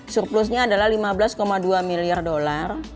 surplusnya adalah lima belas dua miliar dolar